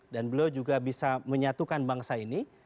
dan beliau juga bisa menyatukan bangsa ini